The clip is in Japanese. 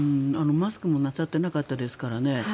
マスクもなさってなかったですからね。